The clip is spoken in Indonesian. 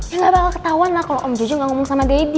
ya gapapa gak ketauan lah kalo om jojo gak ngomong sama daddy